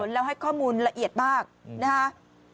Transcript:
แล้วให้ข้อมูลละเอียดมากนะครับ